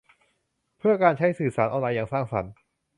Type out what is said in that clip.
เพื่อการใช้สื่อออนไลน์อย่างสร้างสรรค์